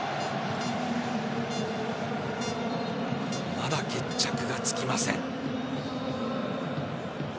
まだ決着がつきません。